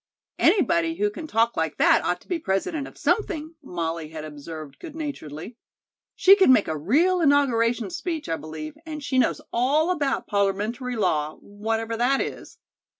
"Anybody who can talk like that ought to be President of something," Molly had observed good naturedly. "She could make a real inauguration speech, I believe, and she knows all about Parliamentary Law, whatever that is."